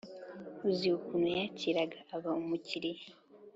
uzi ukuntu yakiraga aba umukiriya